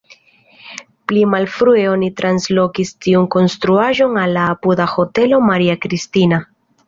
Pli malfrue oni translokis tiun konstruaĵon al la apuda Hotelo Maria Kristina.